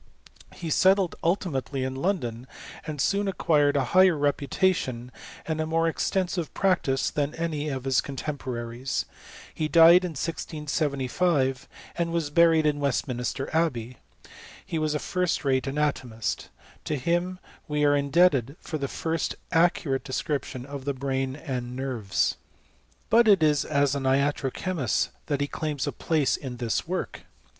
He settled ultimately in London, and soon acquired a higher reputation, and a more extensive practice, than any of his contemporaries. He died in 1675, and was buried in Westminster Abbey. He was a first rate anatomist. To him we are indebted for the first accurate description of the brain and nerves. But it is as an iatro chemist that he claims a place in this work.